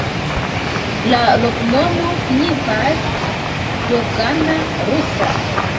La loknomo signifas: dogana-rusa.